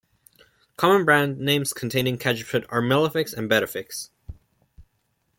Common brand names containing Cajeput are Melafix and Bettafix.